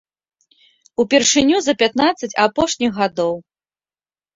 Упершыню за пятнаццаць апошніх гадоў.